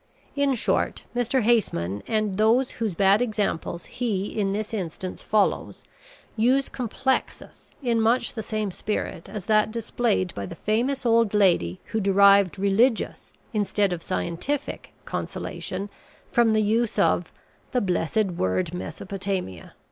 In short, Mr. Haseman and those whose bad example he in this instance follows use "complexus" in much the same spirit as that displayed by the famous old lady who derived religious instead of scientific consolation from the use of "the blessed word Mesopotamia."